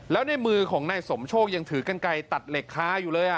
แล้วในมือของนาฬิสมโชครสมชกยังถือกันไกรตัดเหน็ดค้ายูเลย